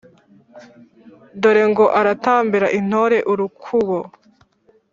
dore ngo aratambira intore urukubo,